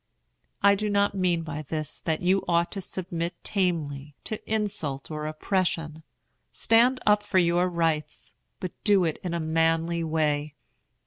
I do not mean by this that you ought to submit tamely to insult or oppression. Stand up for your rights, but do it in a manly way.